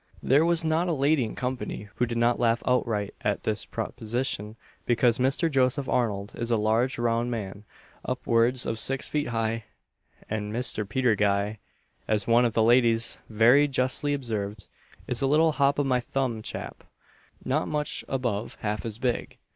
There was not a lady in company who did not laugh out right at this proposition, because Mr. Joseph Arnold is a large round man, upwards of six feet high, and Mr. Peter Guy, as one of the ladies very justly observed, is a little hop o' my thumb chap, not much above half as big.